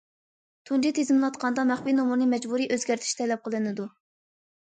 تۇنجى تىزىملاتقاندا مەخپىي نومۇرنى مەجبۇرىي ئۆزگەرتىش تەلەپ قىلىنىدۇ.